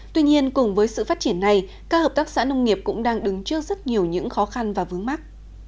tuy nhiên cùng với sự phát triển này các hợp tác xã nông nghiệp cũng đang đứng trước rất nhiều những khó khăn và vướng mắt